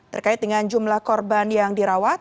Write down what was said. terkait dengan jumlah korban yang dirawat